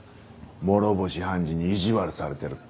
諸星判事に意地悪されてるって。